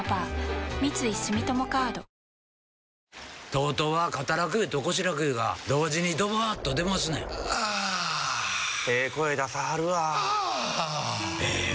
ＴＯＴＯは肩楽湯と腰楽湯が同時にドバーッと出ますねんあええ声出さはるわあええ